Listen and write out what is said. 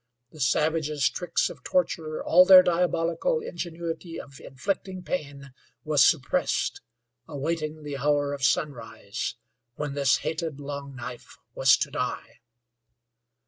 The savages' tricks of torture, all their diabolical ingenuity of inflicting pain was suppressed, awaiting the hour of sunrise when this hated Long Knife was to die.